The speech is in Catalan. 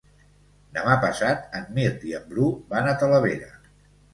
Demà passat en Mirt i en Bru van a Talavera.